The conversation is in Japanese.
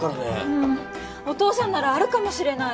うんお父さんならあるかもしれない。